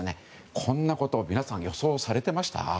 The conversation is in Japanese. こんなこと皆さん予想されてました？